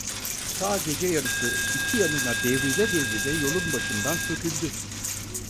Ta gece yarısı iki yanına devrile devrile yolun başından söküldü.